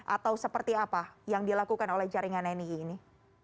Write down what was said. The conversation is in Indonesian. atau seperti apa yang dilakukan oleh jaringan nii ini